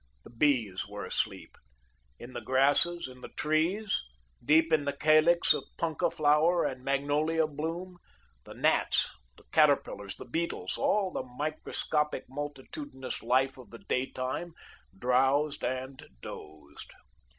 The bees were asleep. In the grasses, in the trees, deep in the calix of punka flower and magnolia bloom, the gnats, the caterpillars, the beetles, all the microscopic, multitudinous life of the daytime drowsed and dozed.